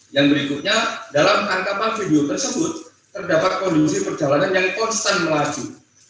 yang berikutnya dalam tangkapan video tersebut terdapat kondisi perjalanan yang konstan melaju